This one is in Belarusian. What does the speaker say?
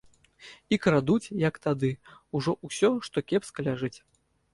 І крадуць, як тады, ужо ўсё, што кепска ляжыць.